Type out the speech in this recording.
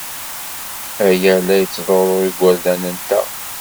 Aya la yettḍurru igerdan-nteɣ.